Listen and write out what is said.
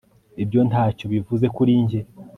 ibyo ntacyo bivuze kuri njye